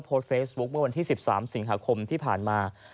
โพสต์เฟซบุ๊คเมื่อวันที่๑๓สิงหาคมที่ผ่านมา